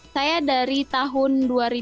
saya dari tahun dua ribu sembilan belas